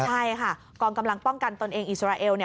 ใช่ค่ะกองกำลังป้องกันตนเองอิสราเอล